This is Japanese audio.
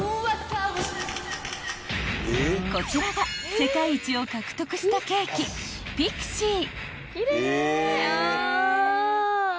［こちらが世界一を獲得したケーキピクシー］